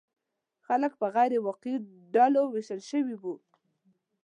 خلک په غیر واقعي ډلو ویشل شوي وو.